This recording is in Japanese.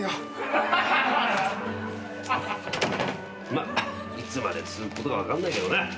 まあいつまで続くことか分かんないけどな。